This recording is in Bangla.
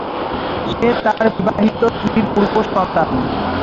সে তার বিবাহিত স্ত্রীর পূর্ব সন্তান।